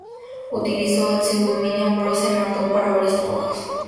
Utilizó el seudónimo Ambrose Merton para varios trabajos.